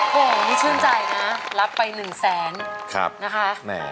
โหนี่ชื่นใจนะรับไป๑แสน